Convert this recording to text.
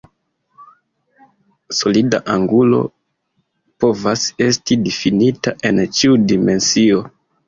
Solida angulo povas esti difinita en ĉiu dimensio.